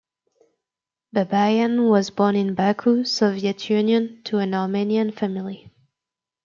Babayan was born in Baku, Soviet Union to an Armenian family.